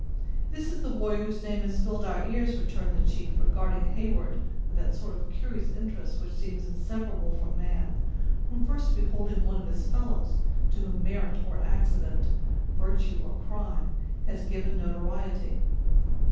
"This is the warrior whose name has filled our ears!" returned the chief, regarding Heyward with that sort of curious interest which seems inseparable from man, when first beholding one of his fellows to whom merit or accident, virtue or crime, has given notoriety.